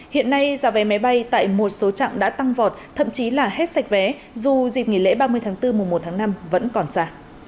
hiện nay giá vé máy bay tại một số trạng đã tăng vọt thậm chí là hết sạch vé dù dịp nghỉ lễ ba mươi tháng bốn mùa một tháng năm vẫn còn xa